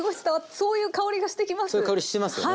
そういう香りしてますよね。